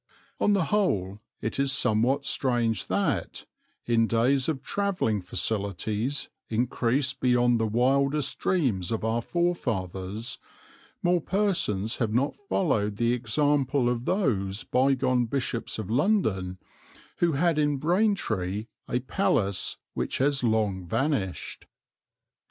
On the whole it is somewhat strange that, in days of travelling facilities increased beyond the wildest dreams of our forefathers, more persons have not followed the example of those bygone Bishops of London who had in Braintree a palace which has long vanished.